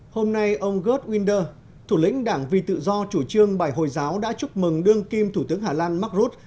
hôm nay ông garde winder thủ lĩnh đảng vì tự do chủ trương bài hồi giáo đã chúc mừng đương kim thủ tướng hà lan mark rutte